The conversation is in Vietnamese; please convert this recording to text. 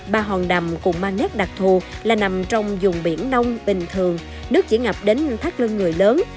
ba hòn đầm cũng mang nét đặc thù là nằm trong dùng biển nông bình thường nước chỉ ngập đến thác lưng người lớn